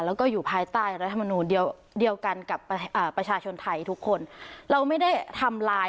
แล้วก็อยู่ภายใต้รัฐมนูลเดียวเดียวกันกับประชาชนไทยทุกคนเราไม่ได้ทำลาย